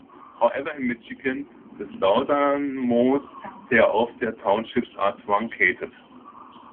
However in Michigan, the southernmost tier of townships are truncated.